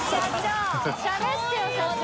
卍しゃべってよ社長。